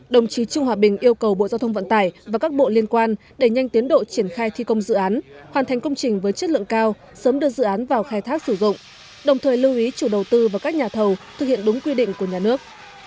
đồng chí trương hòa bình yêu cầu bộ giao thông vận tải và các bộ liên quan đẩy nhanh tiến độ triển khai thi công dự án hoàn thành công trình với chất lượng cao sớm đưa dự án vào khai thác sử dụng đồng thời lưu ý chủ đầu tư và các nhà thầu thực hiện đúng quy định của nhà nước